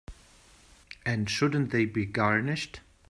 And shouldn't they be garnished?